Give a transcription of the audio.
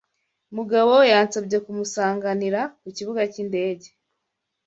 Mugabo yansabye kumusanganira ku kibuga cy'indege.